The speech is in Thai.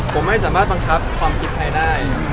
ผมไม่สามารถบังคับความคิดใครได้